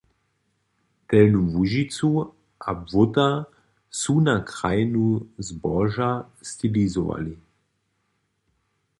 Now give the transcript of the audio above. Delnju Łužicu a Błóta su na krajinu zboža stilizowali.